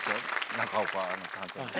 中岡。